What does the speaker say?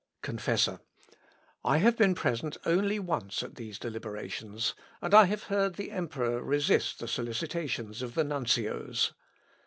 Confessor. "I have been present only once at these deliberations, and I have heard the emperor resist the solicitations of the nuncios.